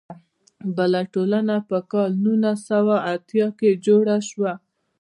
بله ټولنه په کال نولس سوه اتیا کې جوړه شوه.